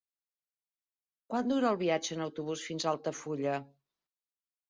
Quant dura el viatge en autobús fins a Altafulla?